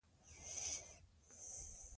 مانا